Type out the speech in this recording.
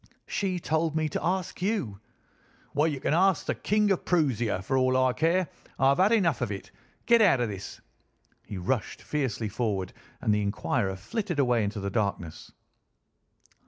"She told me to ask you." "Well, you can ask the King of Proosia, for all I care. I've had enough of it. Get out of this!" He rushed fiercely forward, and the inquirer flitted away into the darkness.